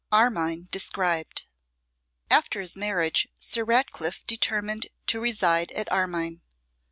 Armine Described. AFTER his marriage Sir Ratcliffe determined to reside at Armine.